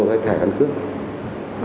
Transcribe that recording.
cái thẻ cân cước luôn